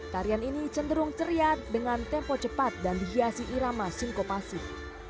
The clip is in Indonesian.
tarian ini cenderung ceria dengan tempo cepat dan dihiasi irama singkopasik